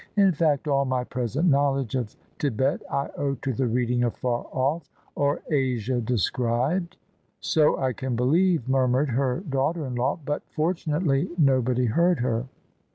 In fact all my present knowledge of Thibet I owe to the reading of Far Off, or Asia Described." OF ISABEL CARNABY " So I can believe," murmured her daughter in law. But fortunately nobody heard her.